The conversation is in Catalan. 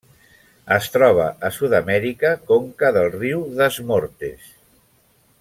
Es troba a Sud-amèrica: conca del riu Das Mortes.